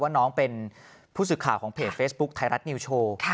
น้องเป็นผู้สื่อข่าวของเพจเฟซบุ๊คไทยรัฐนิวโชว์